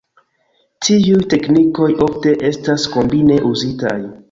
Tiuj teknikoj ofte estas kombine uzitaj.